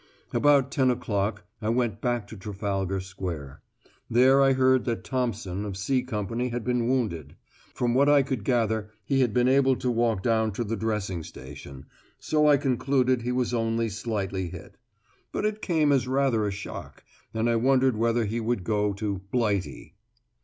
About ten o'clock I went back to Trafalgar Square. There I heard that Thompson of "C" Company had been wounded. From what I could gather he had been able to walk down to the dressing station, so I concluded he was only slightly hit. But it came as rather a shock, and I wondered whether he would go to "Blighty."